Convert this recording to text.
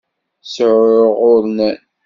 Seεεuɣ urnan.